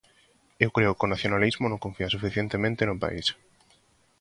Eu creo que o nacionalismo non confía suficientemente no pais.